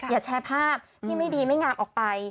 อย่าแชร์ภาพที่ไม่ดีไม่งามออกไป